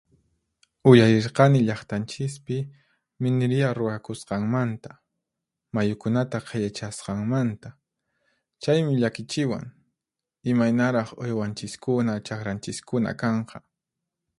Uyarirqani llaqtanchispi miniriya ruwakusqanmanta, mayukunata qhillichasqanmanta. Chaymi llakichiwan, imaynaraq uywanchiskuna chaqranchiskuna kanqa.